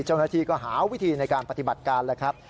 เจ้าหน้าที่ก็หาวิธีในการปฏิบัติการแล้วครับ